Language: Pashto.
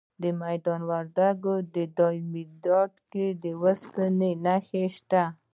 د میدان وردګو په دایمیرداد کې د وسپنې نښې شته.